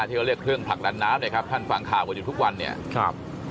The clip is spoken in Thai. ที่เขาเรียกเครื่องผลักดันน้ำเนี่ยครับท่านฟังข่าวกันอยู่ทุกวันเนี่ยครับ